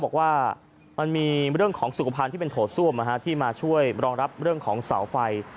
บอกว่ามันมีเรื่องของสุขภัณฑ์ที่เป็นโถส้วมที่มาช่วยรองรับเรื่องของเสาไฟ